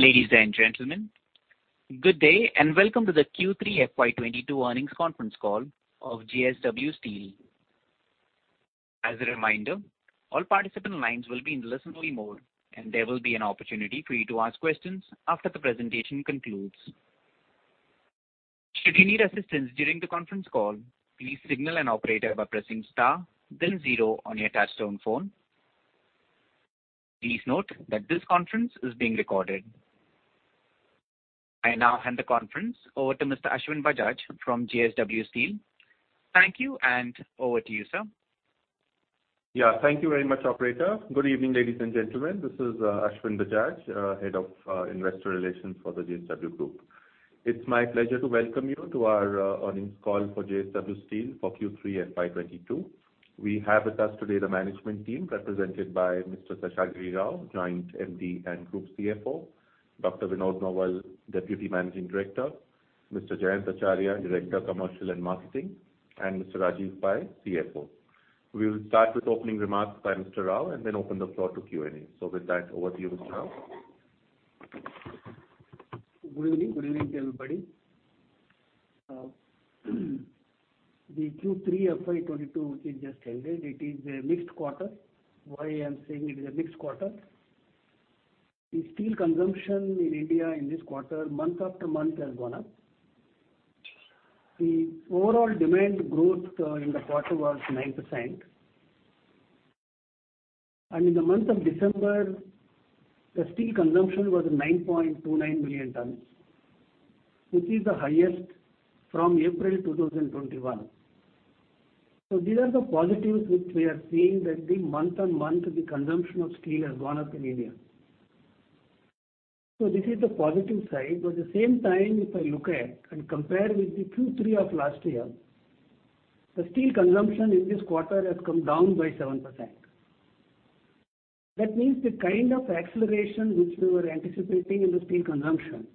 Ladies and gentlemen, good day and welcome to the Q3 FY 2022 earnings conference call of JSW Steel. As a reminder, all participant lines will be in listen-only mode, and there will be an opportunity for you to ask questions after the presentation concludes. Should you need assistance during the conference call, please signal an operator by pressing star then zero on your touchtone phone. Please note that this conference is being recorded. I now hand the conference over to Mr. Ashwin Bajaj from JSW Steel. Thank you and over to you, sir. Yeah. Thank you very much, operator. Good evening, ladies and gentlemen. This is Ashwin Bajaj, head of investor relations for the JSW Group. It's my pleasure to welcome you to our earnings call for JSW Steel for Q3 FY 2022. We have with us today the management team represented by Mr. Seshagiri Rao, Joint MD and Group CFO, Dr. Vinod Nowal, Deputy Managing Director, Mr. Jayant Acharya, Director, Commercial and Marketing, and Mr. Rajeev Pai, CFO. We'll start with opening remarks by Mr. Rao and then open the floor to Q&A. With that, over to you, Mr. Rao. Good evening. Good evening, everybody. The Q3 FY 2022 which just ended, it is a mixed quarter. Why I'm saying it is a mixed quarter? The steel consumption in India in this quarter, month after month has gone up. The overall demand growth in the quarter was 9%. In the month of December, the steel consumption was 9.29 million tons, which is the highest from April 2021. These are the positives which we are seeing that the month-on-month, the consumption of steel has gone up in India. This is the positive side. At the same time, if I look at and compare with the Q3 of last year, the steel consumption in this quarter has come down by 7%. That means the kind of acceleration which we were anticipating in the steel consumption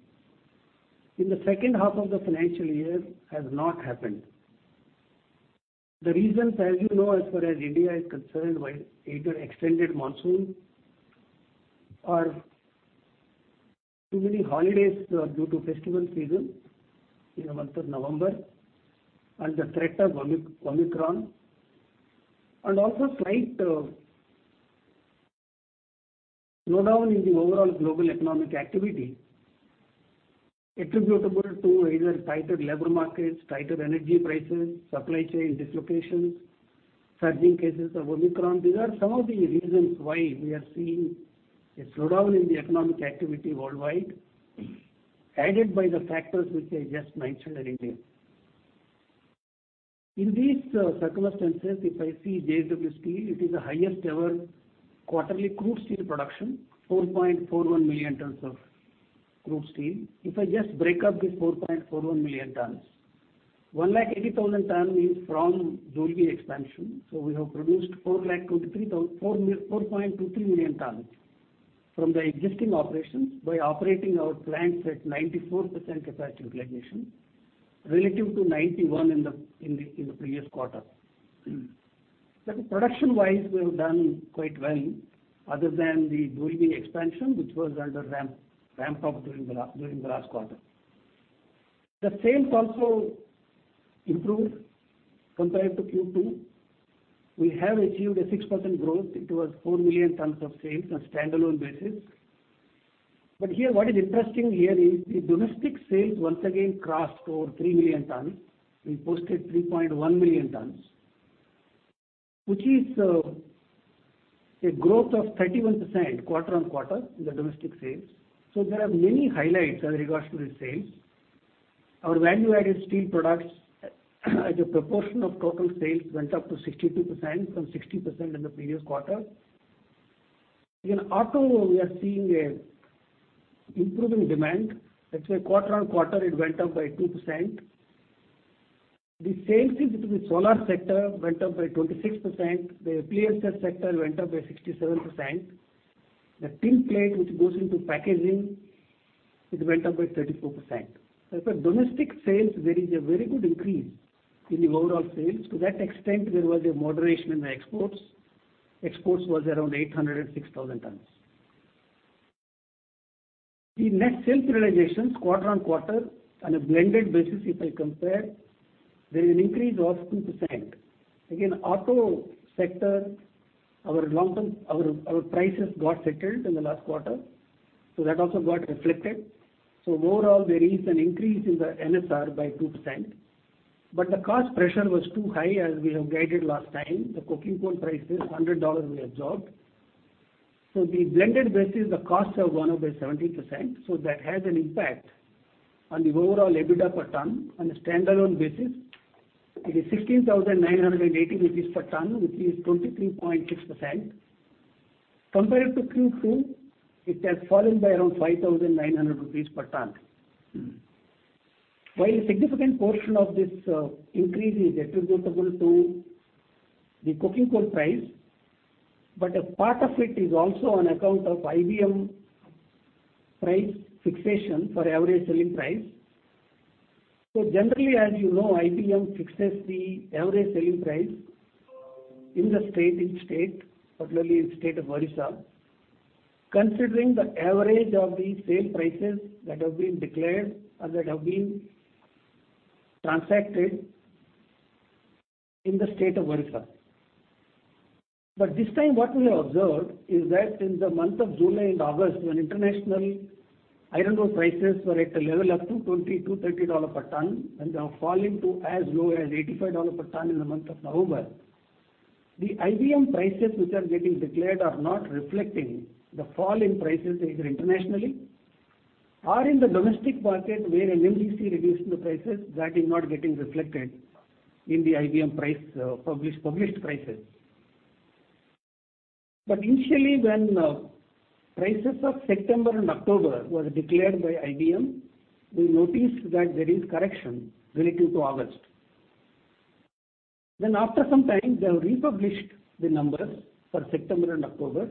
in the second half of the financial year has not happened. The reasons, as you know, as far as India is concerned, were either extended monsoon or too many holidays, due to festival season in the month of November and the threat of Omicron and also slight slowdown in the overall global economic activity attributable to either tighter labor markets, tighter energy prices, supply chain dislocations, surging cases of Omicron. These are some of the reasons why we are seeing a slowdown in the economic activity worldwide, added to by the factors which I just mentioned earlier. In these circumstances, if I see JSW Steel, it is the highest ever quarterly crude steel production, 4.41 million tons of crude steel. If I just break up this 4.41 million tons, 180,000 tons is from Dolvi expansion, so we have produced 4.23 million tons from the existing operations by operating our plants at 94% capacity utilization relative to 91% in the previous quarter. Production-wise, we have done quite well other than the Dolvi expansion, which was under ramp-up during the last quarter. The sales also improved compared to Q2. We have achieved a 6% growth. It was 4 million tons of sales on standalone basis. Here, what is interesting here is the domestic sales once again crossed over 3 million tons. We posted 3.1 million tons, which is a growth of 31% quarter on quarter in the domestic sales. There are many highlights as regards to the sales. Our value-added steel products as a proportion of total sales went up to 62% from 60% in the previous quarter. In auto, we are seeing an improving demand. Let's say quarter on quarter it went up by 2%. The same thing between solar sector went up by 26%. The PLCS sector went up by 67%. The tin plate which goes into packaging, it went up by 34%. As per domestic sales, there is a very good increase in the overall sales. To that extent, there was a moderation in the exports. Exports was around 806,000 tons. The net sales realizations quarter on quarter on a blended basis if I compare, there's an increase of 2%. Again, auto sector, our prices got settled in the last quarter, so that also got reflected. Overall, there is an increase in the NSR by 2%. But the cost pressure was too high as we have guided last time. The coking coal price is $100, we absorbed. On the blended basis, the costs have gone up by 17%, so that has an impact on the overall EBITDA per ton. On a standalone basis, it is 16,980 rupees per ton, which is 23.6%. Compared to Q2, it has fallen by around 5,900 rupees per ton. While a significant portion of this increase is attributable to the coking coal price, but a part of it is also on account of IBM price fixation for average selling price. Generally, as you know, IBM fixes the average selling price in the state, particularly in the state of Odisha, considering the average of the sale prices that have been declared or that have been transacted in the state of Odisha. This time what we observed is that in the month of July and August, when international iron ore prices were at a level up to $20-$30 per ton, and they are falling to as low as $85 per ton in the month of November. The IBM prices which are getting declared are not reflecting the fall in prices either internationally or in the domestic market where NMDC reduced the prices that is not getting reflected in the IBM prices, published prices. Initially when prices of September and October were declared by IBM, we noticed that there is a correction relative to August. After some time, they have republished the numbers for September and October,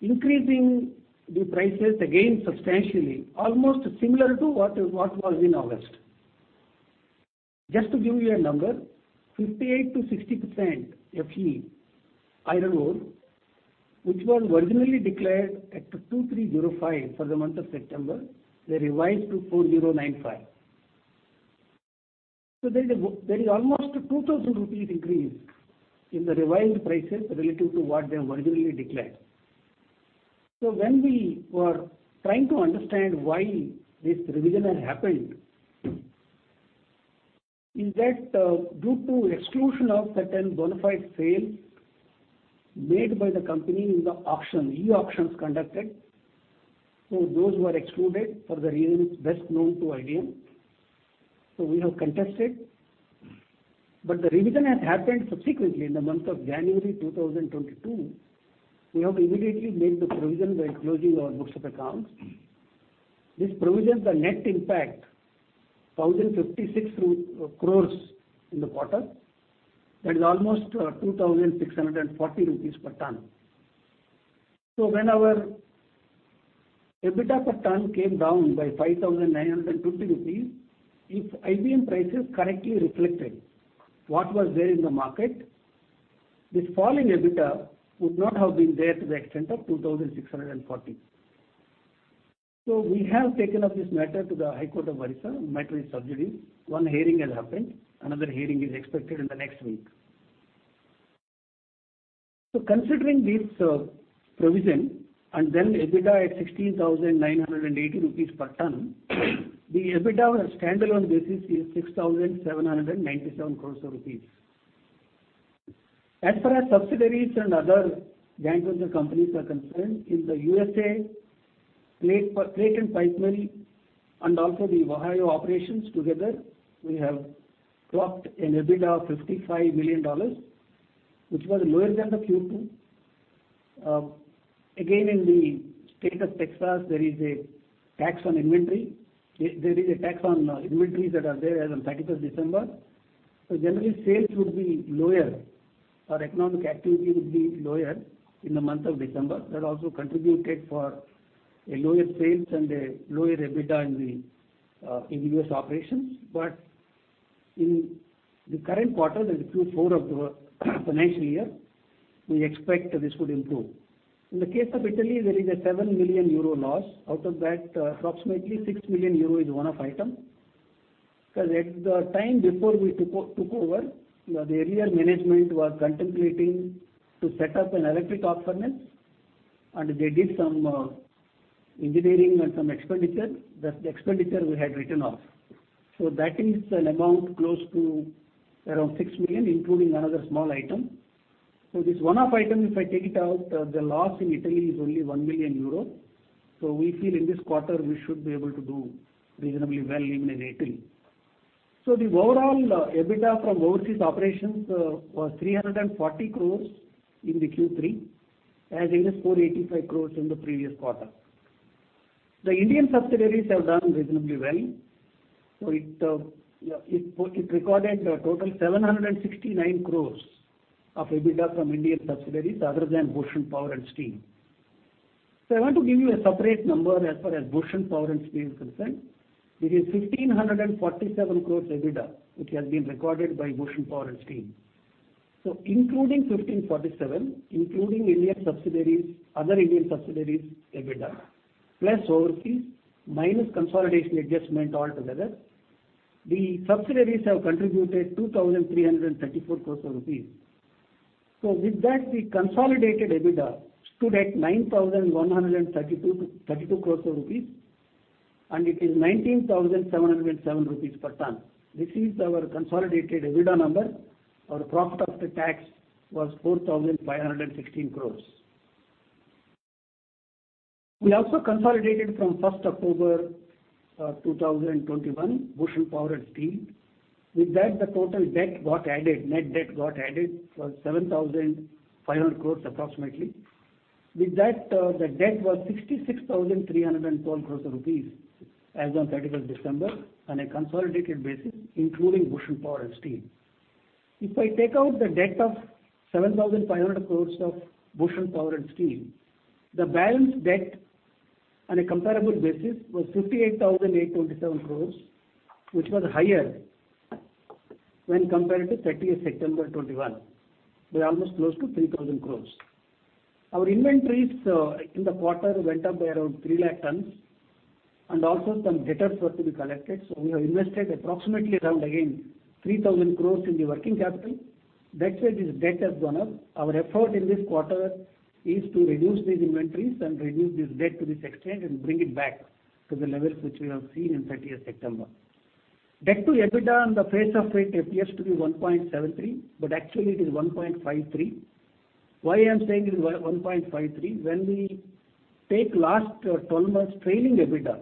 increasing the prices again substantially, almost similar to what was in August. Just to give you a number, 58%-60% FE iron ore, which was originally declared at 2,305 for the month of September, they revised to 4,095. There is almost 2,000 rupees increase in the revised prices relative to what they have originally declared. When we were trying to understand why this revision has happened is that, due to exclusion of certain bona fide sales made by the company in the auction, e-auctions conducted. Those were excluded for the reasons best known to IBM. We have contested. The revision has happened subsequently in the month of January 2022. We have immediately made the provision by closing our books of accounts. This provision, the net impact, 1,056 crore in the quarter. That is almost 2,640 rupees per ton. When our EBITDA per ton came down by 5,950 rupees, if IBM prices correctly reflected what was there in the market, this fall in EBITDA would not have been there to the extent of 2,640. We have taken up this matter to the High Court of Odisha. Matter is subjudiced. One hearing has happened. Another hearing is expected in the next week. Considering this, provision and then EBITDA at 16,980 rupees per ton, the EBITDA on a standalone basis is 6,797 crores rupees. As far as subsidiaries and other joint venture companies are concerned, in the USA, plate and pipe mill and also the Ohio operations together, we have clocked an EBITDA of $55 million, which was lower than the Q2. Again, in the state of Texas, there is a tax on inventory. There is a tax on inventories that are there as on 31st December. Generally, sales would be lower or economic activity would be lower in the month of December. That also contributed for a lower sales and a lower EBITDA in the U.S. operations. In the current quarter, that is Q4 of the financial year, we expect this would improve. In the case of Italy, there is a 7 million euro loss. Out of that, approximately 6 million euro is one-off item. Because at the time before we took over, the area management was contemplating to set up an electric arc furnace, and they did some engineering and some expenditure. That's the expenditure we had written off. That is an amount close to around 6 million, including another small item. This one-off item, if I take it out, the loss in Italy is only 1 million euros. We feel in this quarter we should be able to do reasonably well even in Italy. The overall EBITDA from overseas operations was 340 crores in the Q3, as against 485 crores in the previous quarter. The Indian subsidiaries have done reasonably well. It recorded a total 769 crores of EBITDA from Indian subsidiaries other than Bhushan Power and Steel. I want to give you a separate number as far as Bhushan Power and Steel is concerned. It is 1,547 crores EBITDA, which has been recorded by Bhushan Power and Steel. Including 1,547, including Indian subsidiaries, other Indian subsidiaries EBITDA, plus overseas, minus consolidation adjustment all together, the subsidiaries have contributed 2,334 crores of rupees. With that, the consolidated EBITDA stood at 9,132.32 crores rupees. It is 19,707 rupees per ton. This is our consolidated EBITDA number. Our profit after tax was 4,516 crore. We also consolidated from 1st October 2021, Bhushan Power and Steel. With that, the total debt got added, net debt got added for 7,500 crore approximately. With that, the debt was 66,312 crore rupees as on 31st December on a consolidated basis, including Bhushan Power and Steel. If I take out the debt of 7,500 crore of Bhushan Power and Steel, the balance debt on a comparative basis was 58,827 crore, which was higher when compared to 30th September 2021. We are almost close to 3,000 crore. Our inventories in the quarter went up by around 3 lakh tons, and also some debtors were to be collected. We have invested approximately around, again, 3,000 crores in the working capital. That's why this debt has gone up. Our effort in this quarter is to reduce these inventories and reduce this debt to this extent and bring it back to the levels which we have seen in 30th September. Debt to EBITDA on the face of it appears to be 1.73, but actually it is 1.53. Why I'm saying it is 1.53, when we take last 12 months trailing EBITDA,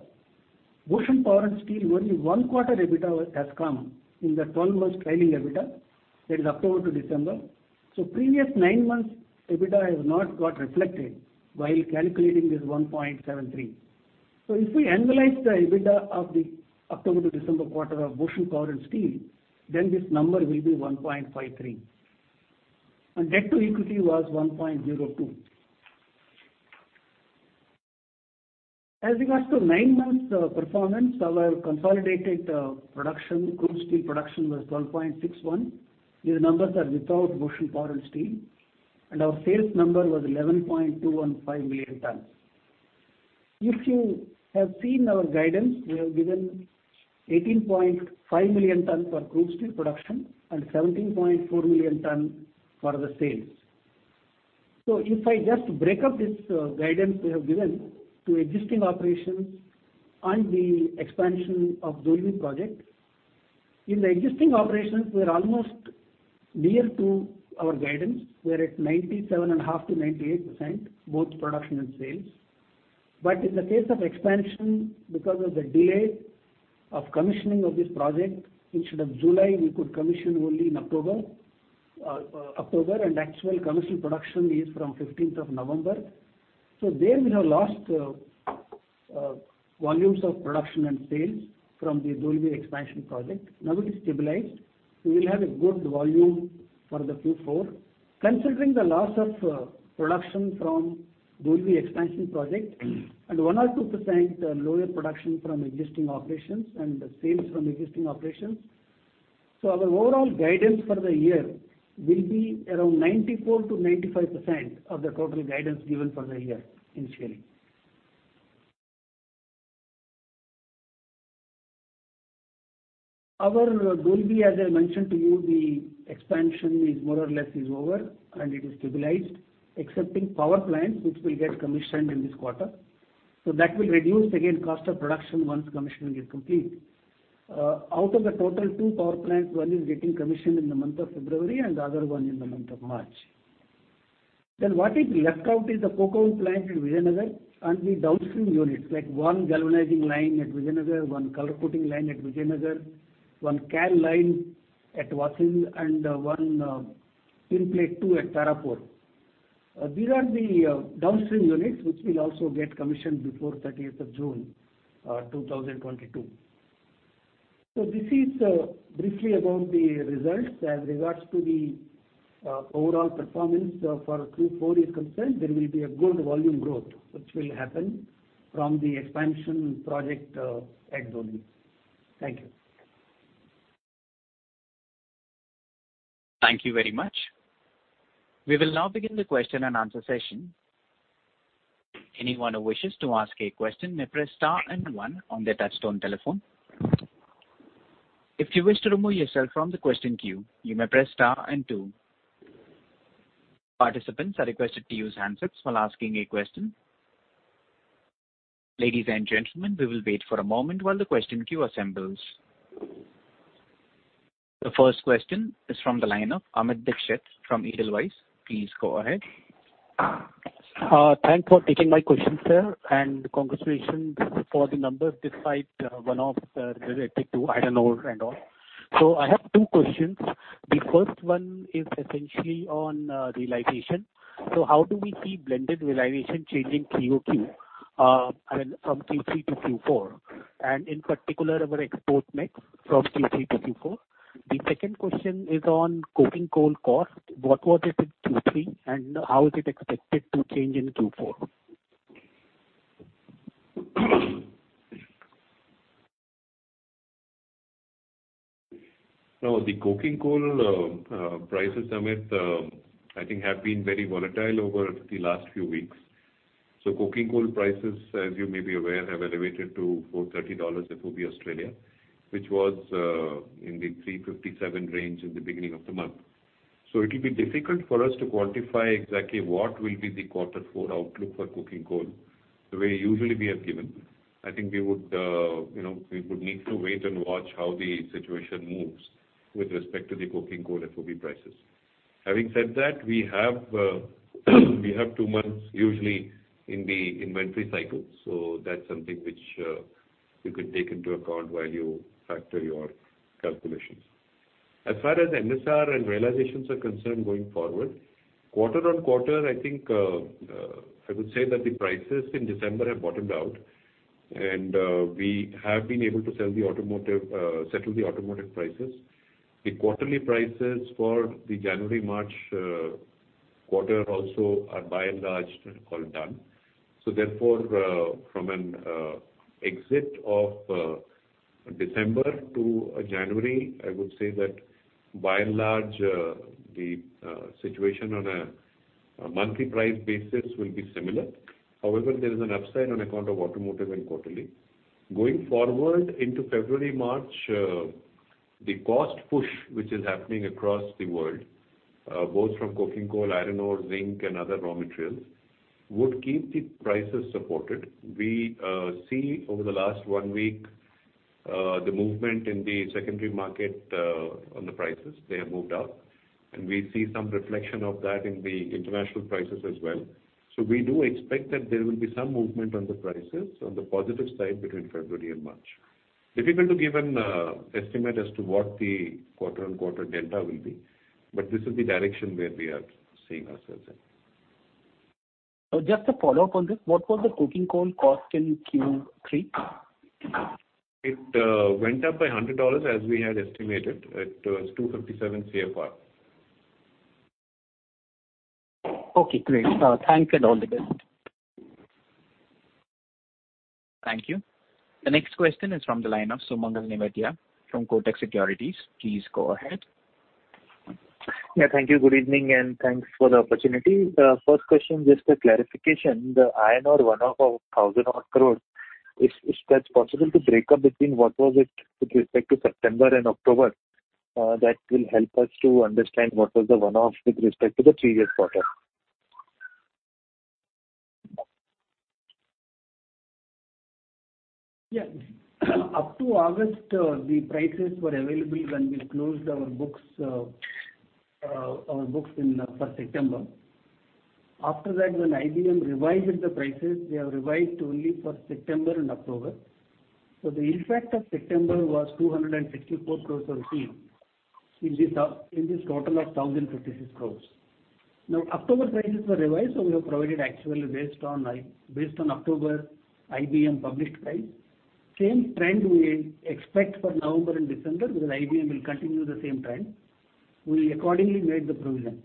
Bhushan Power and Steel, only one quarter EBITDA has come in the 12 months trailing EBITDA. That is October to December. Previous nine months EBITDA has not got reflected while calculating this 1.73. If we annualize the EBITDA of the October to December quarter of Bhushan Power and Steel, then this number will be 1.53. Debt to equity was 1.02. As regards to nine months performance, our consolidated production, crude steel production was 12.61. These numbers are without Bhushan Power and Steel. Our sales number was 11.215 million tons. If you have seen our guidance, we have given 18.5 million tons for crude steel production and 17.4 million ton for the sales. If I just break up this guidance we have given to existing operations and the expansion of Dolvi Project. In the existing operations, we're almost near to our guidance. We're at 97.5%-98%, both production and sales. In the case of expansion, because of the delay of commissioning of this project, instead of July, we could commission only in October and actual commercial production is from the 15th of November. There we have lost volumes of production and sales from the Dolvi expansion project. Now it is stabilized. We will have a good volume for the Q4, considering the loss of production from Dolvi expansion project and 1%-2% lower production from existing operations and sales from existing operations. Our overall guidance for the year will be around 94%-95% of the total guidance given for the year initially. Our Dolvi, as I mentioned to you, the expansion is more or less over and it is stabilized, excepting power plants which will get commissioned in this quarter. That will reduce again cost of production once commissioning is complete. Out of the total two power plants, one is getting commissioned in the month of February and the other one in the month of March. Then what is left out is the coke oven plant in Vizianagaram and the downstream units, like one galvanizing line at Vizianagaram, one color coating line at Vizianagaram, one can line at Vasind and one thin plate two at Tarapur. These are the downstream units which will also get commissioned before 30th of June 2022. This is briefly about the results. As regards to the overall performance, as far as Q4 is concerned, there will be a good volume growth which will happen from the expansion project at Dolvi. Thank you. Thank you very much. We will now begin the question and answer session. Anyone who wishes to ask a question may press star and one on their touchtone telephone. If you wish to remove yourself from the question queue, you may press star and two. Participants are requested to use handsets while asking a question. Ladies and gentlemen, we will wait for a moment while the question queue assembles. The first question is from the line of Amit Dixit from Edelweiss. Please go ahead. Thanks for taking my question, sir, and congratulations for the numbers despite one-off related to iron ore and all. I have two questions. The first one is essentially on realization. How do we see blended realization changing QoQ, I mean from Q3 to Q4, and in particular our export mix from Q3 to Q4? The second question is on coking coal cost. What was it in Q3, and how is it expected to change in Q4? The coking coal prices, Amit, I think have been very volatile over the last few weeks. Coking coal prices, as you may be aware, have elevated to $430 FOB Australia, which was in the $357 range in the beginning of the month. It'll be difficult for us to quantify exactly what will be the quarter four outlook for coking coal the way usually we have given. I think we would, you know, we would need to wait and watch how the situation moves with respect to the coking coal FOB prices. Having said that, we have two months usually in the inventory cycle, so that's something which you could take into account while you factor your calculations. As far as NSR and realizations are concerned going forward, quarter on quarter I think, I would say that the prices in December have bottomed out. We have been able to settle the automotive prices. The quarterly prices for the January-March quarter also are by and large all done. Therefore, from an exit of December to January, I would say that by and large, the situation on a monthly price basis will be similar. However, there is an upside on account of automotive and quarterly. Going forward into February, March, the cost push which is happening across the world, both from coking coal, iron ore, zinc and other raw materials, would keep the prices supported. We see over the last one week the movement in the secondary market on the prices. They have moved up, and we see some reflection of that in the international prices as well. We do expect that there will be some movement on the prices on the positive side between February and March. Difficult to give an estimate as to what the quarter-on-quarter delta will be, but this is the direction where we are seeing ourselves in. Just a follow-up on this. What was the coking coal cost in Q3? It went up by $100 as we had estimated. It was $257 CFR. Okay, great. Thanks and all the best. Thank you. The next question is from the line of Sumangal Nevatia from Kotak Securities. Please go ahead. Yeah, thank you. Good evening, and thanks for the opportunity. First question, just a clarification. The iron ore one-off of 1,000 crore, if that's possible to break up between what was it with respect to September and October. That will help us to understand what was the one-off with respect to the previous quarter. Yes. Up to August, the prices were available when we closed our books in September. After that, when IBM revised the prices, they have revised only for September and October. The impact of September was 264 crores rupees only in this total of 1,056 crores. Now, October prices were revised, so we have provided actually based on October IBM published price. Same trend we expect for November and December, because IBM will continue the same trend. We accordingly made the provision.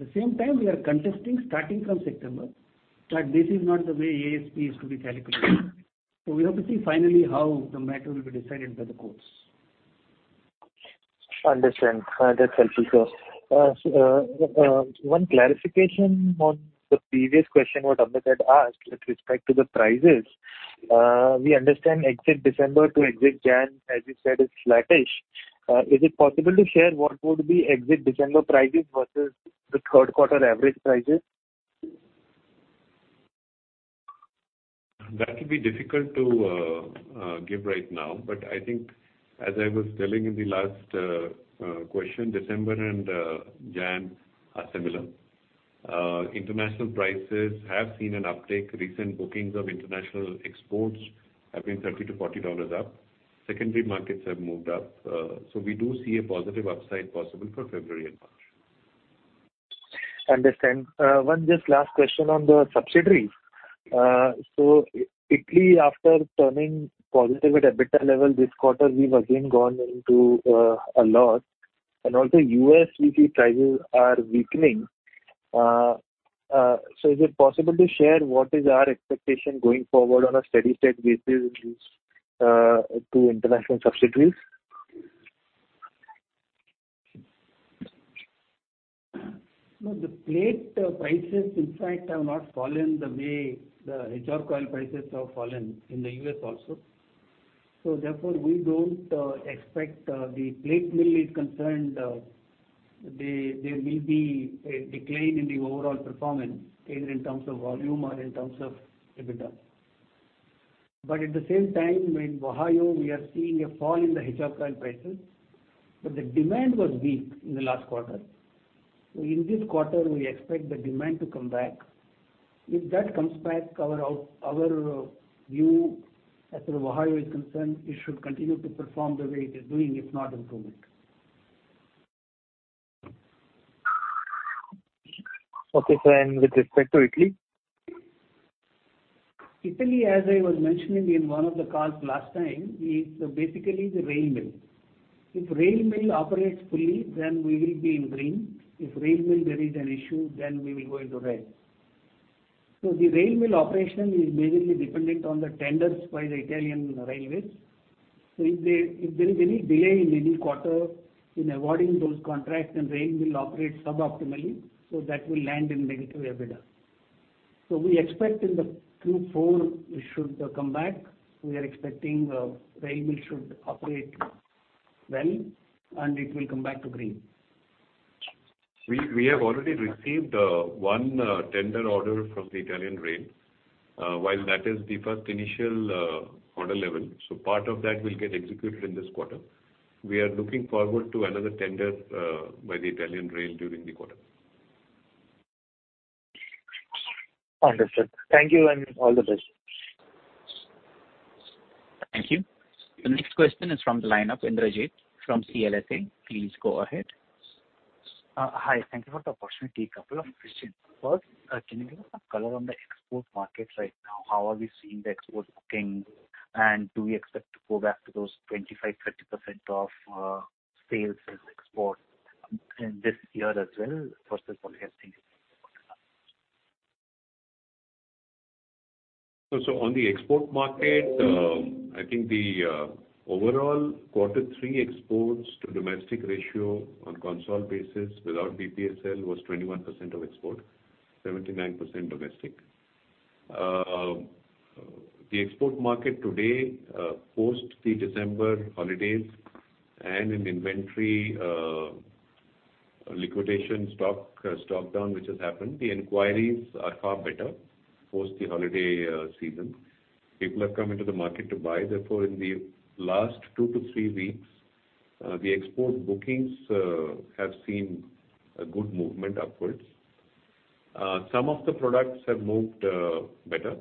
At the same time we are contesting starting from September, that this is not the way ASP is to be calculated. We have to see finally how the matter will be decided by the courts. Understand. That's helpful. One clarification on the previous question that Amit had asked with respect to the prices. We understand exit December to exit Jan, as you said, is flattish. Is it possible to share what would be exit December prices versus the third quarter average prices? That could be difficult to give right now, but I think as I was telling in the last question, December and January are similar. International prices have seen an uptick. Recent bookings of international exports have been $30-$40 up. Secondary markets have moved up. We do see a positive upside possible for February and March. Understood. One last question, just on the subsidiaries. Italy after turning positive at EBITDA level this quarter we've again gone into a loss and also U.S. HRC prices are weakening. Is it possible to share what is our expectation going forward on a steady-state basis to international subsidiaries? No, the plate prices in fact have not fallen the way the HRC coil prices have fallen in the U.S. also. Therefore, we don't expect, as far as the plate mill is concerned, there will be a decline in the overall performance, either in terms of volume or in terms of EBITDA. At the same time, in Ohio, we are seeing a fall in the HRC coil prices, but the demand was weak in the last quarter. In this quarter we expect the demand to come back. If that comes back, our view as far as Ohio is concerned, it should continue to perform the way it is doing, if not improvement. Okay, sir. With respect to Italy? Italy, as I was mentioning in one of the calls last time, is basically the rail mill. If rail mill operates fully, then we will be in green. If rail mill there is an issue, then we will go into red. The rail mill operation is mainly dependent on the tenders by the Italian railways. If there is any delay in any quarter in awarding those contracts, then rail mill operates sub-optimally, so that will land in negative EBITDA. We expect in the Q4 it should come back. We are expecting rail mill should operate well and it will come back to green. We have already received one tender order from the Italian railways. While that is the first initial order level, part of that will get executed in this quarter. We are looking forward to another tender by the Italian railways during the quarter. Understood. Thank you, and all the best. Thank you. The next question is from the line of Indrajit from CLSA. Please go ahead. Hi. Thank you for the opportunity. A couple of questions. First, can you give us some color on the export markets right now? How are we seeing the export booking? Do we expect to go back to those 25%-30% of sales as export in this year as well versus what we have seen? On the export market, I think the overall quarter three exports to domestic ratio on consolidated basis without BPSL was 21% export, 79% domestic. The export market today post the December holidays and inventory liquidation stock drawdown, which has happened, the inquiries are far better post the holiday season. People have come into the market to buy. Therefore, in the last 2-3 weeks, the export bookings have seen a good movement upwards. Some of the products have moved better,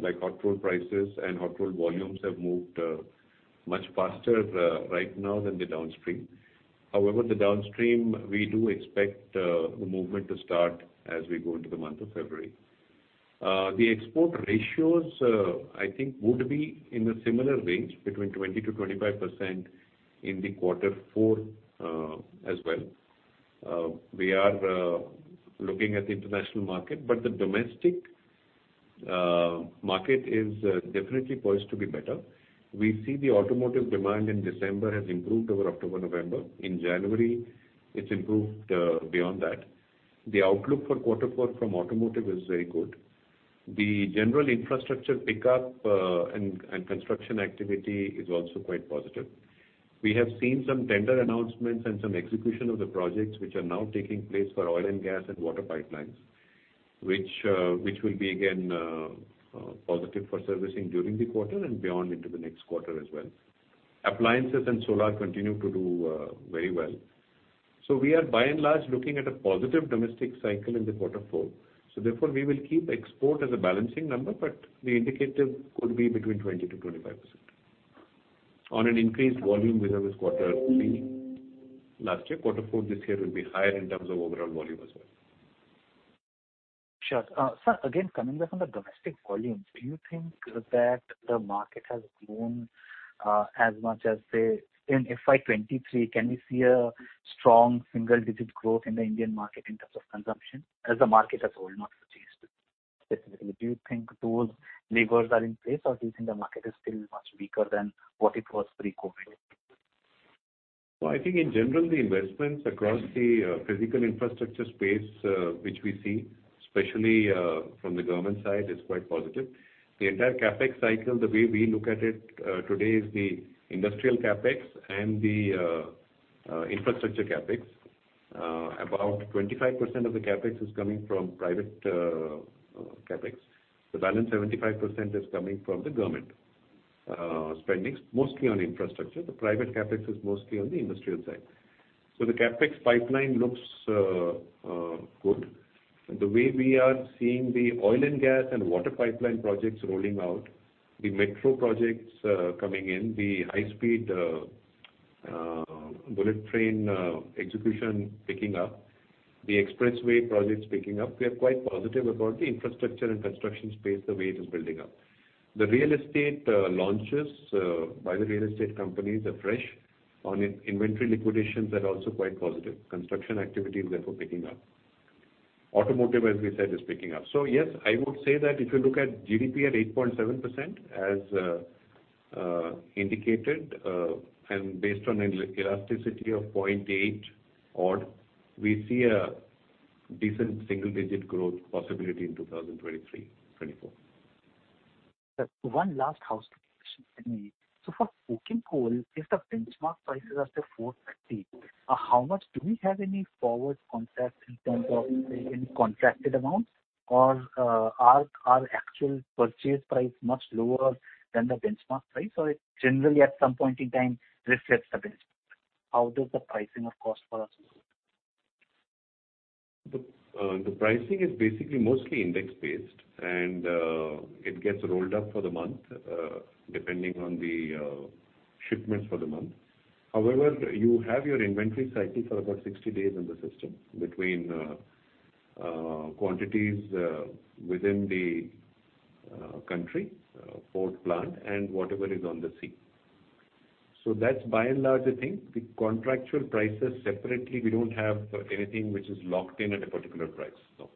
like hot-rolled prices and hot-rolled volumes have moved much faster right now than the downstream. However, the downstream we do expect the movement to start as we go into the month of February. The export ratios, I think would be in a similar range between 20%-25% in the quarter four, as well. We are looking at the international market. The domestic market is definitely poised to be better. We see the automotive demand in December has improved over October, November. In January, it's improved beyond that. The outlook for quarter four from automotive is very good. The general infrastructure pickup and construction activity is also quite positive. We have seen some tender announcements and some execution of the projects which are now taking place for oil and gas and water pipelines, which will be again positive for servicing during the quarter and beyond into the next quarter as well. Appliances and solar continue to do very well. We are by and large looking at a positive domestic cycle in the quarter four. Therefore we will keep export as a balancing number, but the indicator could be between 20%-25% on an increased volume we have this quarter last year. Quarter four this year will be higher in terms of overall volume as well. Sure. Sir, again, coming back on the domestic volumes, do you think that the market has grown as much as, say, in FY 2023? Can we see a strong single-digit growth in the Indian market in terms of consumption as the market as a whole, not for JSW specifically? Do you think those levers are in place or do you think the market is still much weaker than what it was pre-COVID? Well, I think in general the investments across the physical infrastructure space, which we see especially from the government side, is quite positive. The entire CapEx cycle, the way we look at it today, is the industrial CapEx and the infrastructure CapEx. About 25% of the CapEx is coming from private CapEx. The balance 75% is coming from the government spending, mostly on infrastructure. The private CapEx is mostly on the industrial side. The CapEx pipeline looks good. The way we are seeing the oil and gas and water pipeline projects rolling out, the metro projects coming in, the high speed bullet train execution picking up, the expressway projects picking up, we are quite positive about the infrastructure and construction space, the way it is building up. The real estate launches by the real estate companies are fresh. Ongoing inventory liquidations are also quite positive. Construction activity is therefore picking up. Automotive, as we said, is picking up. Yes, I would say that if you look at GDP at 8.7% as indicated, and based on elasticity of 0.8 odd, we see a decent single-digit growth possibility in 2023-24. Sir, one last housekeeping question for me. For coking coal, if the benchmark prices are say $450, how much do we have any forward contracts in terms of any contracted amounts? Or, are actual purchase price much lower than the benchmark price, or it generally at some point in time reflects the benchmark? How does the pricing of cost for us look? The pricing is basically mostly index based, and it gets rolled up for the month, depending on the shipments for the month. However, you have your inventory cycle for about 60 days in the system between quantities within the country, port, plant, and whatever is on the sea. That's by and large the thing. The contractual prices separately, we don't have anything which is locked in at a particular price, no.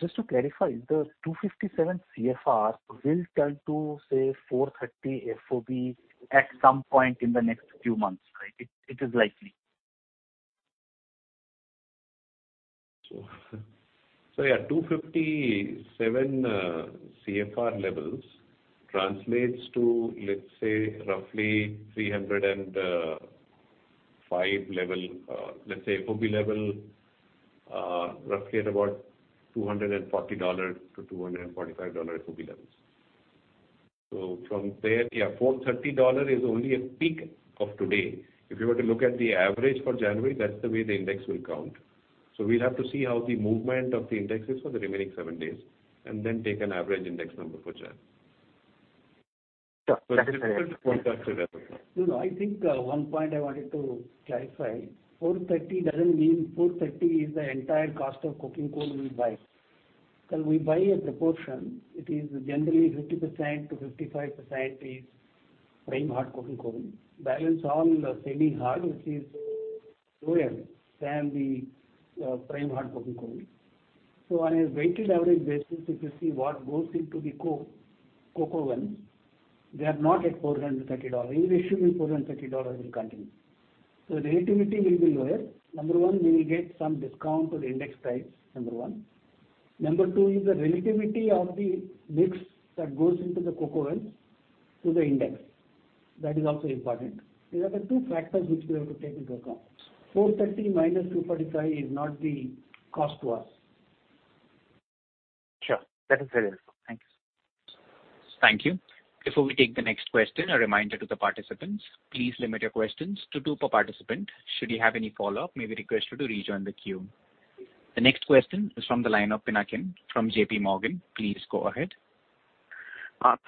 just to clarify, the $257 CFR will turn to, say, $430 FOB at some point in the next few months, right? It is likely. $257 CFR levels translates to, let's say, roughly $305 level, let's say FOB level, roughly at about $240-$245 FOB levels. From there, $430 is only a peak of today. If you were to look at the average for January, that's the way the index will count. We'll have to see how the movement of the index is for the remaining seven days, and then take an average index number for January. No, no. I think one point I wanted to clarify. $430 doesn't mean $430 is the entire cost of coking coal we buy. We buy a proportion. It is generally 50%-55% is prime hard coking coal. Balance on the semi-hard, which is lower than the prime hard coking coal. On a weighted average basis, if you see what goes into the coke ovens, they are not at $430. Even if it should be $430 will continue. The relativity will be lower. Number one, we will get some discount to the index price, number one. Number two is the relativity of the mix that goes into the coke ovens to the index. That is also important. These are the two factors which we have to take into account. $430 minus $245 is not the cost to us. Sure. That is very helpful. Thank you. Thank you. Before we take the next question, a reminder to the participants, please limit your questions to two per participant. Should you have any follow-up, may we request you to rejoin the queue. The next question is from the line of Pinakin from JP Morgan. Please go ahead.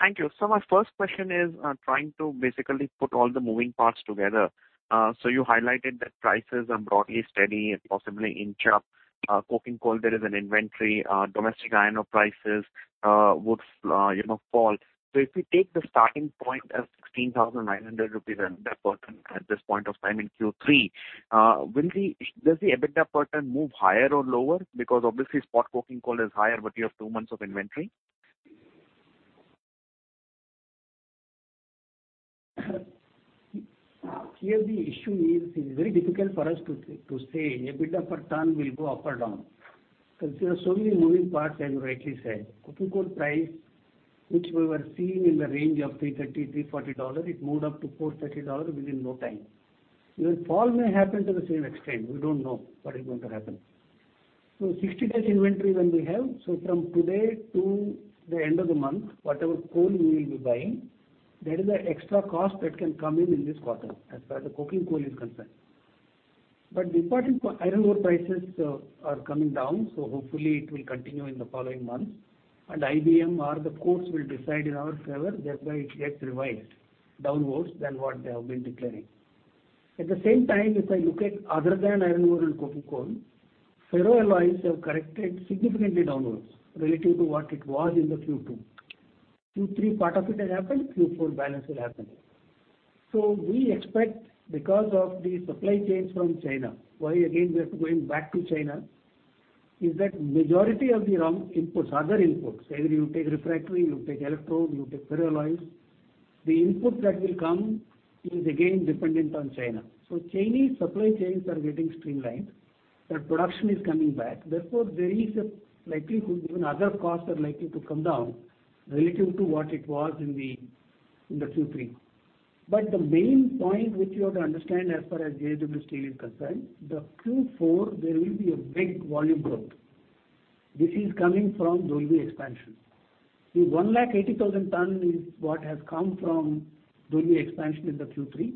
Thank you. My first question is trying to basically put all the moving parts together. You highlighted that prices are broadly steady and possibly inch up. Coking coal, there is an inventory. Domestic iron ore prices would, you know, fall. If we take the starting point as 16,900 rupees and that burden at this point of time in Q3, does the EBITDA per ton move higher or lower? Because obviously spot coking coal is higher, but you have two months of inventory. Here the issue is, it's very difficult for us to say EBITDA per ton will go up or down. There are so many moving parts, as you rightly said. Coking coal price, which we were seeing in the range of $330-$340, it moved up to $430 within no time. Even fall may happen to the same extent. We don't know what is going to happen. 60 days inventory when we have, so from today to the end of the month, whatever coal we will be buying, there is an extra cost that can come in, this quarter as far as the coking coal is concerned. Importantly, for iron ore prices are coming down, so hopefully it will continue in the following months. IBM or the courts will decide in our favor, thereby it gets revised downwards than what they have been declaring. At the same time, if I look at other than iron ore and coking coal, ferro alloys have corrected significantly downwards relative to what it was in the Q2. Q3, part of it has happened. Q4, balance will happen. We expect because of the supply chains from China, why again we are going back to China, is that majority of the raw inputs, other inputs, whether you take refractory, you take electrode, you take ferro alloys, the input that will come is again dependent on China. Chinese supply chains are getting streamlined. Their production is coming back. Therefore, there is a likelihood even other costs are likely to come down relative to what it was in the, in the Q3. The main point which you have to understand as far as JSW Steel is concerned, the Q4 there will be a big volume growth. This is coming from Dolvi expansion. The 180,000 tons is what has come from Dolvi expansion in the Q3.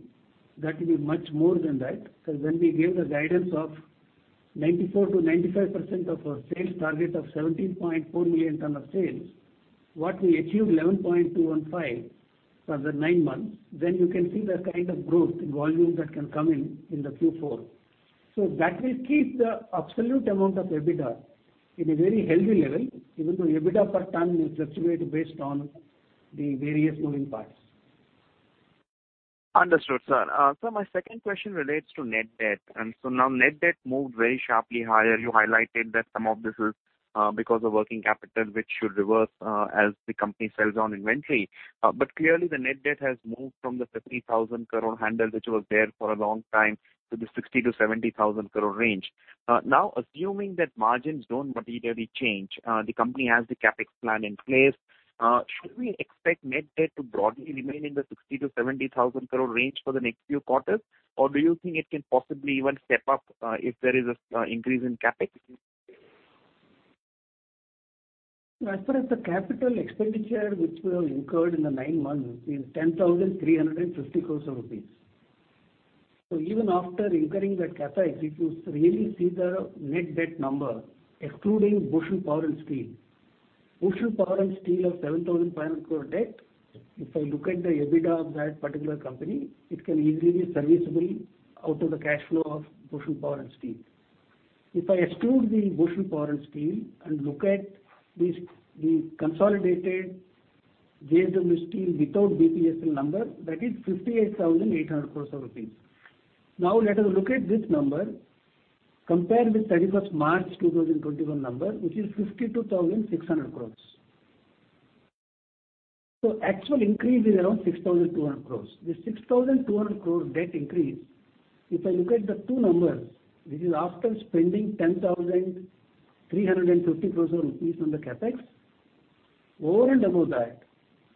That will be much more than that. When we gave the guidance of 94%-95% of our sales target of 17.4 million tons of sales, what we achieved 11.215 for the nine months, then you can see the kind of growth in volumes that can come in the Q4. That will keep the absolute amount of EBITDA in a very healthy level, even though EBITDA per ton will fluctuate based on the various moving parts. Understood, sir. My second question relates to net debt. Now net debt moved very sharply higher. You highlighted that some of this is because of working capital, which should reverse as the company sells on inventory. Clearly the net debt has moved from the 50,000 crore handle, which was there for a long time, to the 60,000-70,000 crore range. Now assuming that margins don't materially change, the company has the CapEx plan in place, should we expect net debt to broadly remain in the 60,000-70,000 crore range for the next few quarters? Or do you think it can possibly even step up if there is an increase in CapEx? As far as the capital expenditure which we have incurred in the nine months is 10,350 crore rupees. Even after incurring that CapEx, if you really see the net debt number, excluding Bhushan Power and Steel, Bhushan Power and Steel have 7,500 crore debt. If I look at the EBITDA of that particular company, it can easily be serviceable out of the cash flow of Bhushan Power and Steel. If I exclude the Bhushan Power and Steel and look at the consolidated JSW Steel without BPSL number, that is 58,800 crore rupees. Now, let us look at this number compared with March 31, 2021 number, which is 52,600 crore. Actual increase is around 6,200 crore. The 6,200 crore debt increase, if I look at the two numbers, which is after spending 10,350 crore rupees on the CapEx. Over and above that,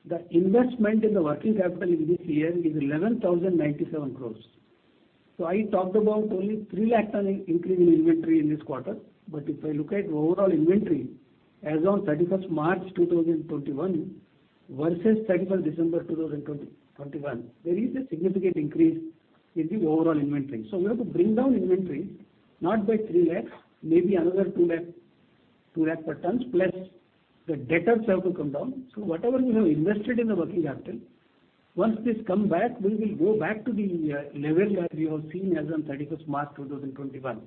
the investment in the working capital in this year is 11,097 crore. I talked about only 3 lakh ton in increase in inventory in this quarter. If I look at overall inventory as on 31st March 2021 versus 31st December 2021, there is a significant increase in the overall inventory. We have to bring down inventory not by 3 lakh, maybe another 2 lakh ton, plus the debtors have to come down. Whatever we have invested in the working capital, once this come back, we will go back to the level where we have seen as on 31st March 2021.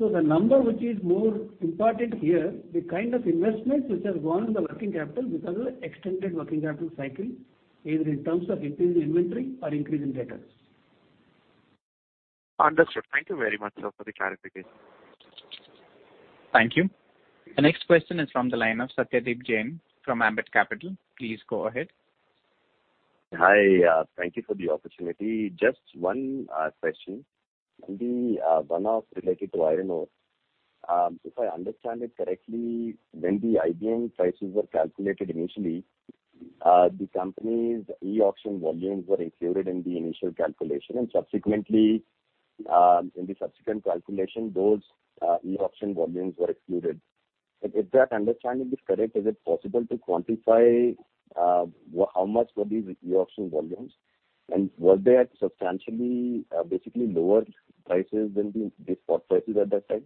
The number which is more important here, the kind of investments which have gone in the working capital because of the extended working capital cycle, either in terms of increase in inventory or increase in debtors. Understood. Thank you very much, sir, for the clarification. Thank you. The next question is from the line of Satyadeep Jain from Ambit Capital. Please go ahead. Hi. Thank you for the opportunity. Just one question. Maybe one related to iron ore. If I understand it correctly, when the IBM prices were calculated initially, the company's e-auction volumes were included in the initial calculation, and subsequently, in the subsequent calculation, those e-auction volumes were excluded. If that understanding is correct, is it possible to quantify how much were these e-auction volumes? And were they at substantially basically lower prices than the spot prices at that time?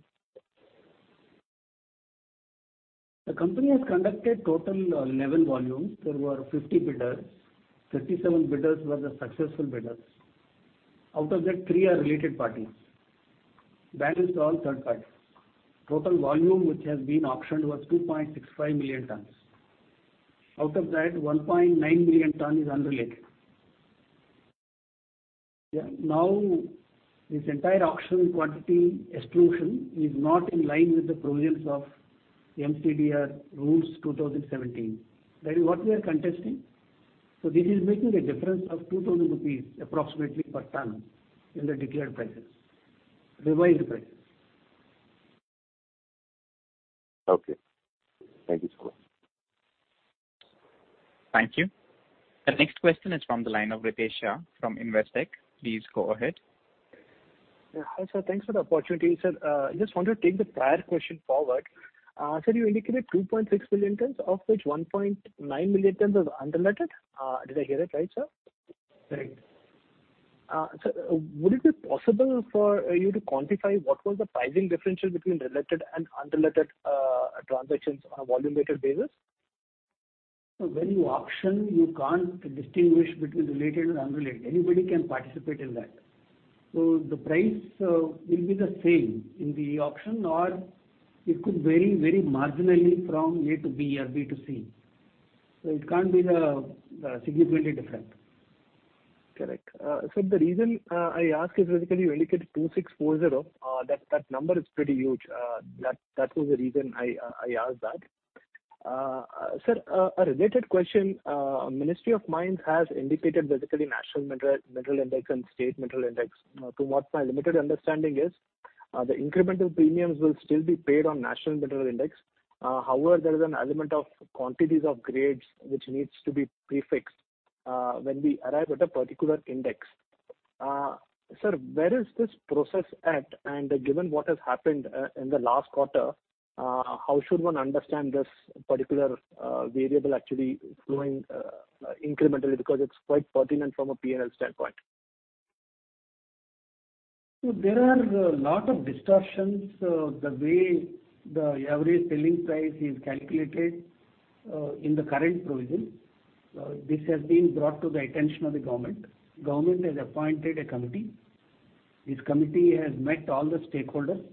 The company has conducted total 11 volumes. There were 50 bidders. 57 bidders were the successful bidders. Out of that, three are related parties. Balance all third party. Total volume which has been auctioned was 2.65 million tons. Out of that, 1.9 million tons is unrelated. Now this entire auction quantity exclusion is not in line with the provisions of MCDR Rules 2017. That is what we are contesting. This is making a difference of 2,000 rupees approximately per ton in the declared prices, revised prices. Okay. Thank you, sir. Thank you. The next question is from the line of Ritesh Shah from Investec. Please go ahead. Yeah. Hi, sir. Thanks for the opportunity. Sir, I just want to take the prior question forward. Sir, you indicated 2.6 million tons, of which 1.9 million tons was unrelated. Did I hear it right, sir? Right. Would it be possible for you to quantify what was the pricing differential between related and unrelated transactions on a volume-weighted basis? When you auction, you can't distinguish between related and unrelated. Anybody can participate in that. The price will be the same in the auction, or it could vary very marginally from A2B or B2C. It can't be the significantly different. Correct. The reason I ask is basically you indicated 2,640. That number is pretty huge. That was the reason I asked that. Sir, a related question. Ministry of Mines has indicated basically National Mineral Index and District Mineral Index. To what my limited understanding is, the incremental premiums will still be paid on National Mineral Index. However, there is an element of quantities of grades which needs to be prefixed when we arrive at a particular index. Sir, where is this process at? Given what has happened in the last quarter, how should one understand this particular variable actually flowing incrementally? Because it's quite pertinent from a P&L standpoint. There are a lot of distortions in the way the average selling price is calculated in the current provision. This has been brought to the attention of the government. The government has appointed a committee. This committee has met all the stakeholders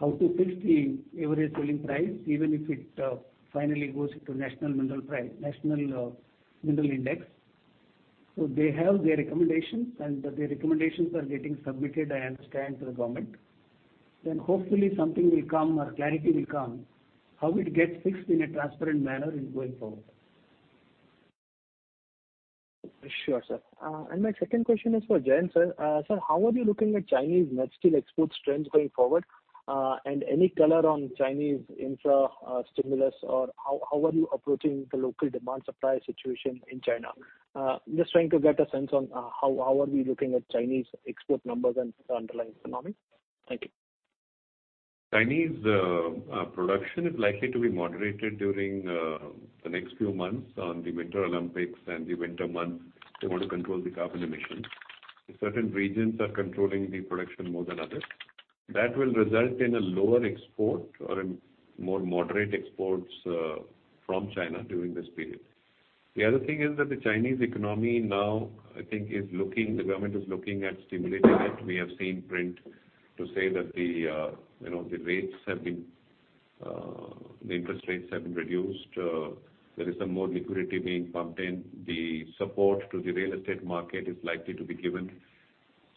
how to fix the average selling price, even if it finally goes to National Mineral Index. They have their recommendations, and the recommendations are getting submitted, I understand, to the government. Hopefully something will come or clarity will come. How it gets fixed in a transparent manner is going forward. Sure, sir. My second question is for Jayant, sir. Sir, how are you looking at Chinese net steel export trends going forward? Any color on Chinese infra, stimulus, or how are you approaching the local demand supply situation in China? Just trying to get a sense on how we are looking at Chinese export numbers and the underlying economics. Thank you. Chinese production is likely to be moderated during the next few months on the Winter Olympics and the winter month. They want to control the carbon emissions. Certain regions are controlling the production more than others. That will result in a lower export or in more moderate exports from China during this period. The other thing is that the Chinese economy now, I think is looking, the government is looking at stimulating it. We have seen print to say that the, you know, the rates have been, the interest rates have been reduced. There is some more liquidity being pumped in. The support to the real estate market is likely to be given.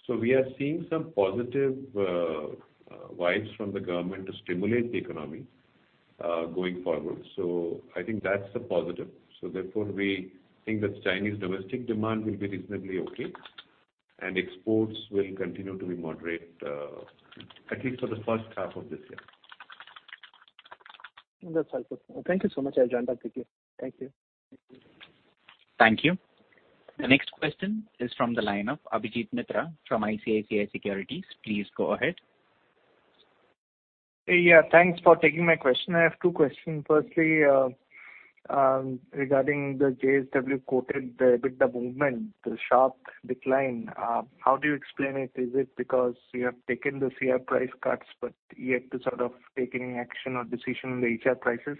We are seeing some positive vibes from the government to stimulate the economy going forward. I think that's a positive. We think that Chinese domestic demand will be reasonably okay, and exports will continue to be moderate, at least for the first half of this year. That's helpful. Thank you so much. I'll join back with you. Thank you. Thank you. The next question is from the line of Abhijit Mitra from ICICI Securities. Please go ahead. Yeah, thanks for taking my question. I have two questions. Firstly, regarding the JSW Coated, the EBITDA movement, the sharp decline, how do you explain it? Is it because you have taken the CR price cuts but yet to sort of take any action or decision on the HR prices?